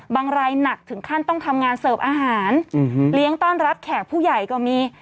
รายหนักถึงขั้นต้องทำงานเสิร์ฟอาหารเลี้ยงต้อนรับแขกผู้ใหญ่ก็มี